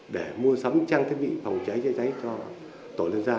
để mua sắm trang thiết bị phòng cháy chữa cháy cho tổ liên gia